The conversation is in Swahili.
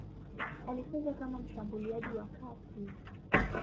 Alicheza kama mshambuliaji wa kati.